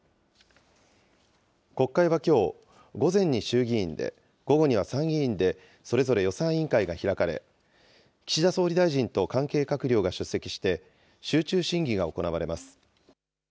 国会はきょう、午前に衆議院で、午後には参議院で、それぞれ予算委員会が開かれ、岸田総理大臣と関係閣僚が出席して、集中審議が行われます。